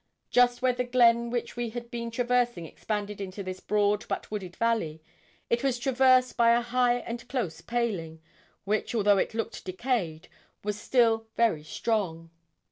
Just where the glen which we had been traversing expanded into this broad, but wooded valley, it was traversed by a high and close paling, which, although it looked decayed, was still very strong.